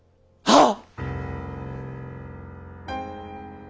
はっ。